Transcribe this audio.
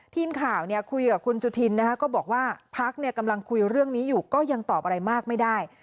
ทีมข่าวคุยกับคุณสุธินก็บอกว่าพักกำลังคุยเรื่องนี้อยู่ก็ยังตอบอะไรมากไม่ได้